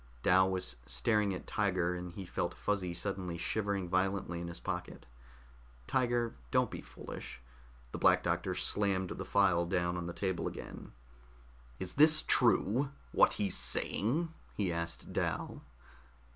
Dal was staring at Tiger, and he felt Fuzzy suddenly shivering violently in his pocket. "Tiger, don't be foolish " The Black Doctor slammed the file down on the table again. "Is this true, what he's saying?" he asked Dal.